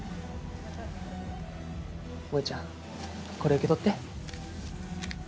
萌ちゃんこれ受け取って。